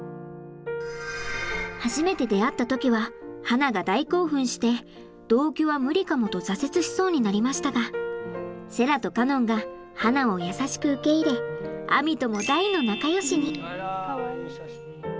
初めて出会った時ははなが大興奮して同居は無理かもと挫折しそうになりましたがセラとカノンがはなを優しく受け入れあみとも大の仲よしに。